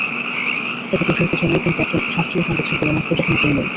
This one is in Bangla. এতে দোষের কিছু নেই কিন্তু একজন শাস্ত্রীয় সংগীতশিল্পীর এমন সুযোগ মোটেই নেই।